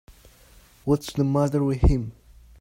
What's the matter with him.